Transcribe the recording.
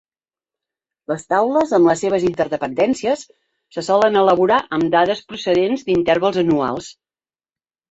Les taules amb les seves interdependències se solen elaborar amb dades procedents d'intervals anuals.